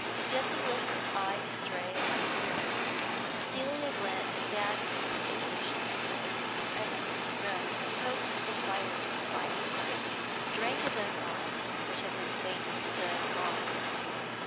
Jessie let her eyes stray about the room, stealing a glance at Dagworthy occasionally. Presently he rose, poked the fire with violence, and drank his own wine, which had been waiting so long.